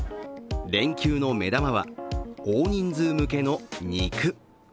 連休の目玉は大人数向けの肉。